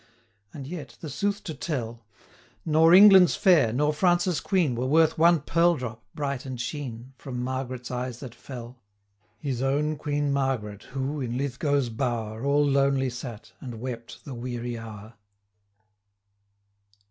And yet, the sooth to tell, Nor England's fair, nor France's Queen, Were worth one pearl drop, bright and sheen, 285 From Margaret's eyes that fell, His own Queen Margaret, who, in Lithgow's bower, All lonely sat, and wept the weary hour.